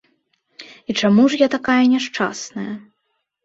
І чаму ж я такая няшчасная?